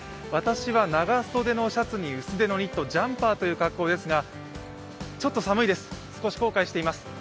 私は長袖のシャツに薄手のニット、ジャンパーという格好ですがちょっと寒いです。